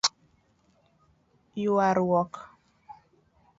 Yuaruok;